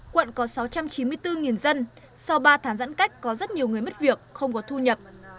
quận có sáu trăm chín mươi bốn dân sau ba tháng giãn cách có rất nhiều người mất việc không có thu nhập